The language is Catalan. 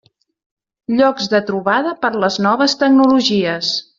Llocs de trobada per a les noves tecnologies.